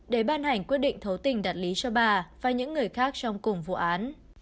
để ban hành quyết định thấu tình đạt lý cho bà và những người khác trong cùng vụ án